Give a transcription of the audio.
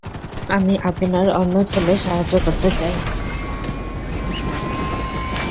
আমি আপনার অন্য ছেলের সাহায্য করতে চাই।